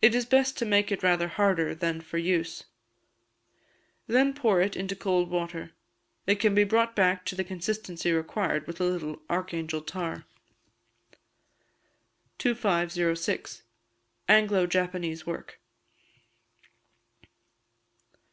It is best to make it rather harder than for use. Then pour it into cold water. It can be brought back to the consistency required with a little Archangel tar. 2506. Anglo Japanese Work.